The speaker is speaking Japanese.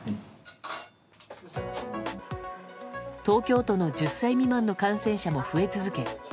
東京都の１０歳未満の感染者も増え続け